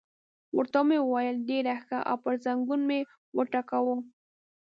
ورته مې وویل: ډېر ښه، او پر زنګون مې وټکاوه.